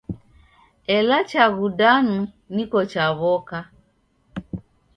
Ela chaghu danu niko chaw'oka.